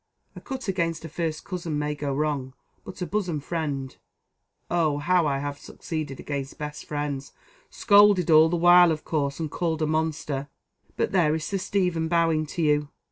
A cut against a first cousin may go wrong but a bosom friend oh! how I have succeeded against best friends; scolded all the while, of course, and called a monster. But there is Sir Stephen bowing to you."